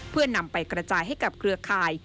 เพื่อนำไปกระจายให้กับเครือข่าย